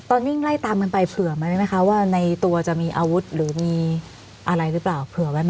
วิ่งไล่ตามกันไปเผื่อไหมไหมคะว่าในตัวจะมีอาวุธหรือมีอะไรหรือเปล่าเผื่อไว้ไหม